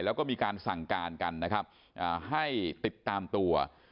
แล้วก็มีการสั่งการกันนะครับให้ติดตามตัว